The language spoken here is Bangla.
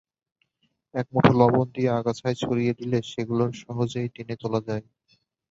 একমুঠো লবণ নিয়ে আগাছায় ছড়িয়ে দিলে সেগুলো সহজেই টেনে তোলা যায়।